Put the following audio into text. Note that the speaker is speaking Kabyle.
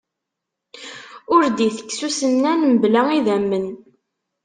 Ur d-itekkes usennan mebla idammen.